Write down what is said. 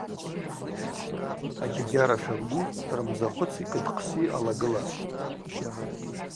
Агьагьара шабгу рымдза хвыци кыдхъси алагылапӏ.